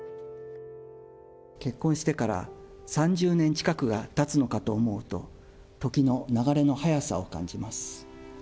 結婚してから３０年近くがたつのかと思うと、時の流れの速さを感じます。